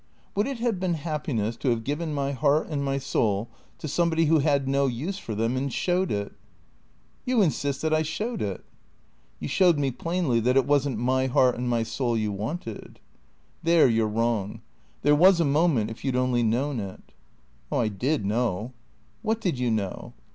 " Would it have been happiness to have given my heart and my soul to somebody who had no use for them and showed it ?"" You insist that I showed it ?"" You showed me plainly that it was n't my heart and my soul you wanted." " There you 're wrong. There was a moment — if you 'd only known it." " I did know." "What did you know?"